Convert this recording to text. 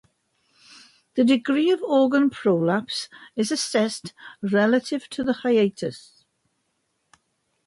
The degree of organ prolapse is assessed relative to the hiatus.